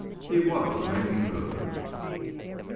He was making good.